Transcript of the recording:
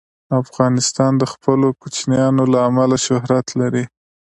افغانستان د خپلو کوچیانو له امله شهرت لري.